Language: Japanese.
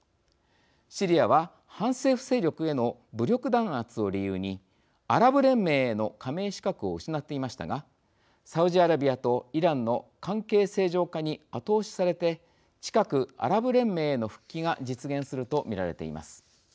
シリアは、反政府勢力への武力弾圧を理由にアラブ連盟への加盟資格を失っていましたがサウジアラビアとイランの関係正常化に後押しされて近く、アラブ連盟への復帰が実現すると見られています。